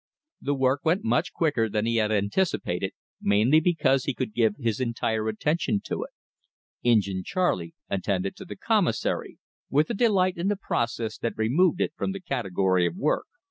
The work went much quicker than he had anticipated, mainly because he could give his entire attention to it. Injin Charley attended to the commissary, with a delight in the process that removed it from the category of work.